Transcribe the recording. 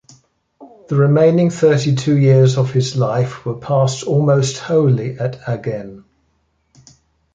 The remaining thirty-two years of his life were passed almost wholly at Agen.